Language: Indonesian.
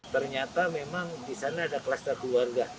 ternyata memang di sana ada kluster keluarga